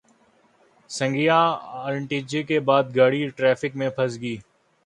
Saggian interchange کے بعد گاڑی ٹریفک میں پھنس گئی۔